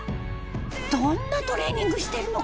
どんなトレーニングしてるのか。